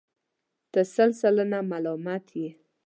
ته سل سلنه ملامت یې.